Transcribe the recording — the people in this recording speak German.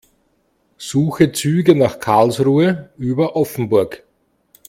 Suche Züge nach Karlsruhe über Offenburg.